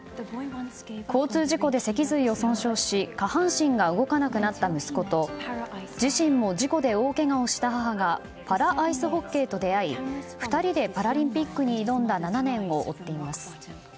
交通事故で脊髄を損傷し下半身が動かなくなった息子と自身も事故で大けがをした母がパラアイスホッケーと出会い２人でパラリンピックに挑んだ７年を追っています。